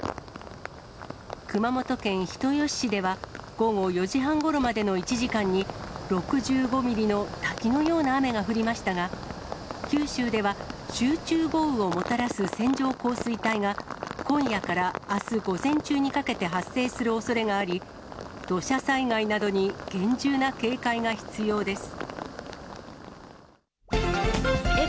熊本県人吉市では、午後４時半ごろまでの１時間に、６５ミリの滝のような雨が降りましたが、九州では、集中豪雨をもたらす線状降水帯が、今夜からあす午前中にかけて発生するおそれがあり、土砂災害などに厳重な警戒が必要です。